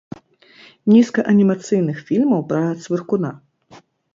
Нізка анімацыйных фільмаў пра цвыркуна.